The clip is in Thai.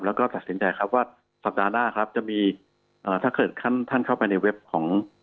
แล้วก็ตัดสินใจครับว่าสัปดาห์หน้าครับจะมีถ้าเกิดท่านเข้าไปในเว็บของ